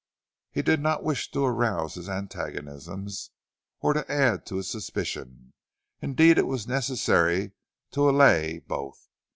He did not wish to arouse his antagonism or to add to his suspicion; indeed it was necessary to allay both.